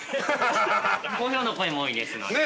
好評の声も多いですので。